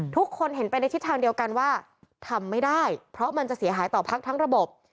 ทุกคนเห็นไปในทิศทางเดียวกันว่าทำไม่ได้เพราะมันจะเสียหายต่อพักทั้งระบบ